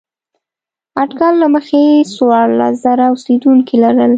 اټکل له مخې څوارلس زره اوسېدونکي لرل.